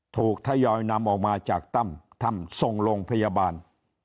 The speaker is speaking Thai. ทยอยนำออกมาจากตั้มถ้ำส่งโรงพยาบาล